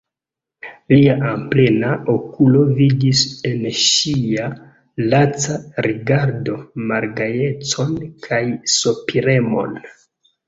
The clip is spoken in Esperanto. Lia amplena okulo vidis en ŝia laca rigardo malgajecon kaj sopiremon.